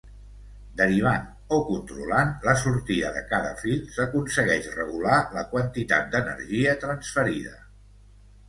Derivant, o controlant, la sortida de cada fil s'aconsegueix regular la quantitat d'energia transferida.